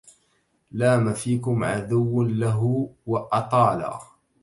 لام فيكم عذوله وأطالا